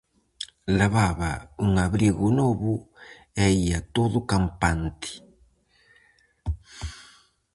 Levaba un abrigo novo e ía todo campante.